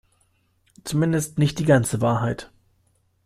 Zumindest nicht die ganze Wahrheit.